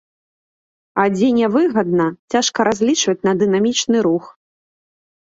А дзе нявыгадна, цяжка разлічваць на дынамічны рух.